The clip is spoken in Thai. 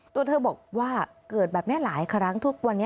ตัวเธอบอกว่าเกิดแบบนี้หลายครั้งทุกวันนี้